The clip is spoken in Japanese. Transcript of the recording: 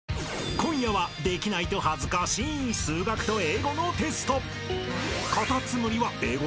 ［今夜はできないと恥ずかしい数学と英語のテスト］